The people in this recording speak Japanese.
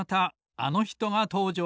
あのひとがとうじょう。